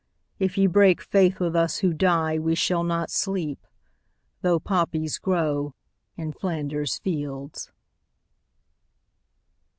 If ye break faith with us who die We shall not sleep, though poppies grow In Flanders fields.